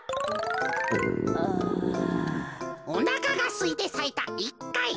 おなかがすいてさいた１かい。